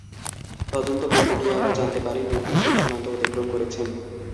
তদন্ত করতে গিয়ে আমরা জানতে পারি নূর হোসেন সীমান্ত অতিক্রম করেছেন।